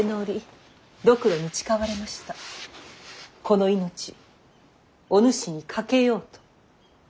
この命おぬしに賭けようと。